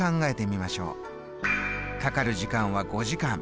かかる時間は５時間。